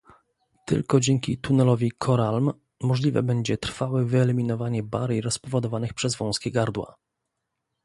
Tylko dzięki tunelowi Koralm możliwe będzie trwałe wyeliminowanie barier spowodowanych przez wąskie gardła